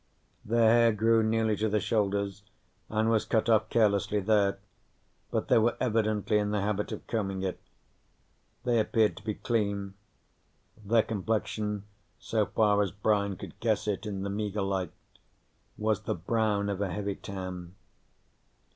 Their hair grew nearly to the shoulders and was cut off carelessly there, but they were evidently in the habit of combing it. They appeared to be clean. Their complexion, so far as Brian could guess it in the meager light, was the brown of a heavy tan.